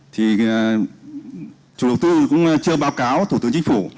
thì chủ đầu tư cũng chưa báo cáo thủ tướng chính phủ